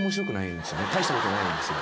大したことないんですよ。